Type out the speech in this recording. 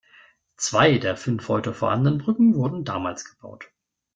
Zwei der fünf heute vorhandenen Brücken wurden damals gebaut.